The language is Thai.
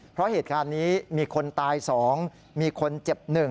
เพราะเหตุการณ์นี้มีคนตาย๒มีคนเจ็บ๑